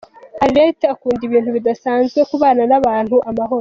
Arlette akunda ibintu bidasanzwe, kubana n’abantu amahoro.